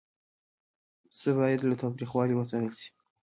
پسه باید له تاوتریخوالي وساتل شي.